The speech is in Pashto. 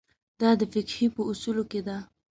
دا د فقهې په اصولو کې ده.